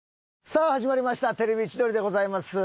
さあ始まりました『テレビ千鳥』でございます。